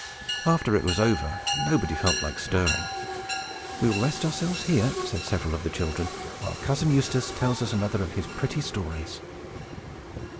After it was over, nobody felt like stirring. "We will rest ourselves here," said several of the children, "while Cousin Eustace tells us another of his pretty stories."